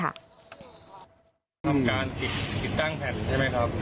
ทำการติดตั้งแผ่นใช่ไหมครับ